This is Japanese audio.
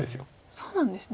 そうなんですね。